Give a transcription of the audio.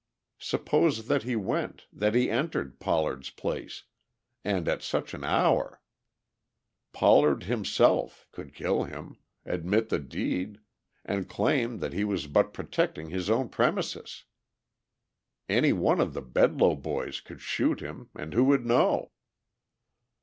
Suppose that he went, that he entered Pollard's place, and at such an hour? Pollard, himself, could kill him, admit the deed and claim that he was but protecting his own premises. Any one of the Bedloe boys could shoot him and who would know?